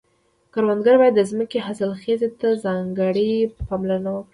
کروندګر باید د ځمکې حاصلخیزي ته ځانګړې پاملرنه وکړي.